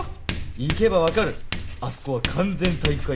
行けば分かるあそこは完全体育会系。